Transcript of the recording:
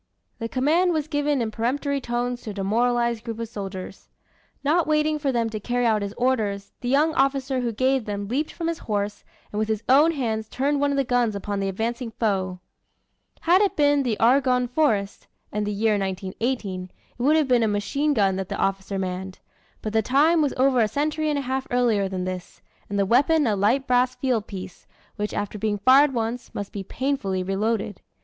The command was given in peremptory tones to a demoralized group of soldiers. Not waiting for them to carry out his orders, the young officer who gave them leaped from his horse, and with his own hands turned one of the guns upon the advancing foe. Had it been the Argonne Forest, and the year 1918, it would have been a machine gun that the officer manned. But the time was over a century and a half earlier than this and the weapon a light brass field piece, which after being fired once, must be painfully reloaded.